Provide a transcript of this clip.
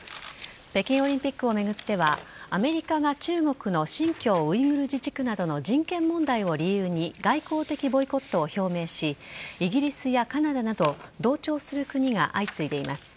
北京オリンピックを巡ってはアメリカが中国の新疆ウイグル自治区などの人権問題を理由に外交的ボイコットを表明しイギリスやカナダなど同調する国が相次いでいます。